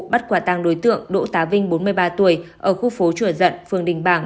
bắt quả tàng đối tượng đỗ tá vinh bốn mươi ba tuổi ở khu phố chùa dận phường đình bảng